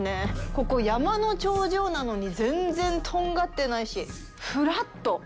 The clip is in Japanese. ここ、山の頂上なのに全然とんがってないし、フラット！